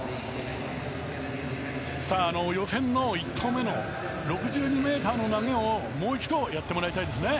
予選の１投目の６２ｍの投げをもう一度やってもらいたいですね。